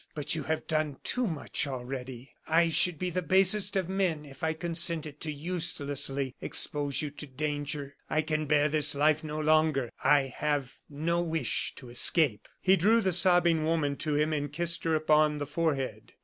But you have done too much already. I should be the basest of men if I consented to uselessly expose you to danger. I can bear this life no longer; I have no wish to escape." He drew the sobbing woman to him and kissed her upon the forehead.